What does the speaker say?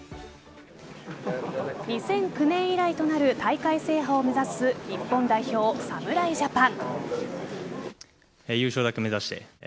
２００９年以来となる大会制覇を目指す日本代表侍ジャパン。